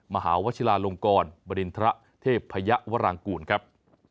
มหาวชิลาลงกรบริณฑระเทพยวรางกูลครับ